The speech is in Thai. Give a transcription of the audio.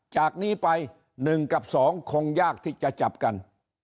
จากนี้ไป๑กับ๒คงยากที่จะจับกัน